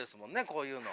こういうの。